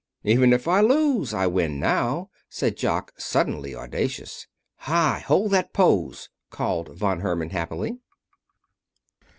"Even if I lose I win now," said Jock, suddenly audacious. "Hi! Hold that pose!" called Von Herman, happily.